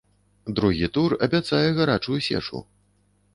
Другі тур абяцае гарачую сечу.